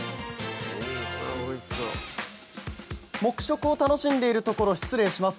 黙食を楽しんでいるところ失礼します。